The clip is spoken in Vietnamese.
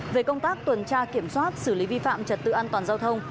về công tác tuần tra kiểm soát xử lý vi phạm trật tự an toàn giao thông